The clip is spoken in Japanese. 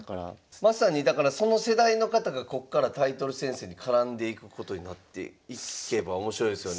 まさにだからその世代の方がこっからタイトル戦線に絡んでいくことになっていけば面白いですよね。